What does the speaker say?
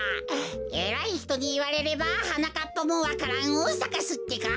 えらいひとにいわれればはなかっぱもわか蘭をさかすってか。